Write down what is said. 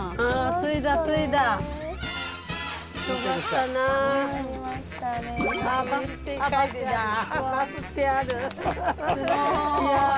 すごい。